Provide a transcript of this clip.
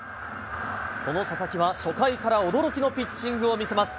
その佐々木は初回から驚きのピッチングを見せます。